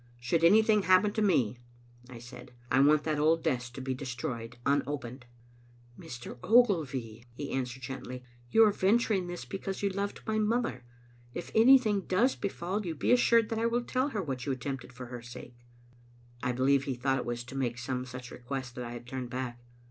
"Should anything happen to me," I said, " I want that old desk to be destroyed un opened." " Mr. Ogilvy, " he answered gently, " you are ventur ing this because you loved my mother. If anything does befall you, be asssured that I will tell her what you attempted for her sake. " I believe he thought it was to make some such request that I had turned back.